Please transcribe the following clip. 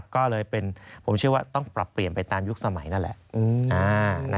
ก็เลยเป็นผมเชื่อว่าต้องปรับเปลี่ยนไปตามยุคสมัยนั่นแหละ